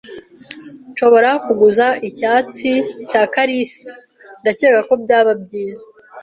"Nshobora kuguza icyatsi cya kalisa?" "Ndakeka ko byaba byiza."